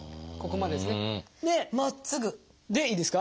まっすぐ！でいいですか？